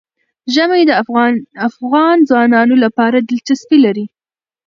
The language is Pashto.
ژمی د افغان ځوانانو لپاره دلچسپي لري.